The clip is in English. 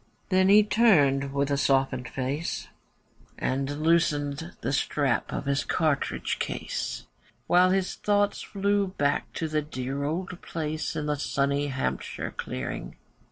Then he turned with a softened face, And loosened the strap of his cartridge case, While his thoughts flew back to the dear old place In the sunny Hampshire clearing.